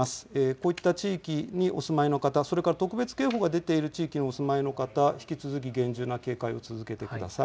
こういった地域にお住まいの方、それから特別警報が出ている地域にお住まいの方、引き続き厳重な警戒を続けてください。